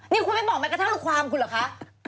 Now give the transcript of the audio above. นี่คุณไม่บอกแม้กระทั่งความคุณเหรอคะ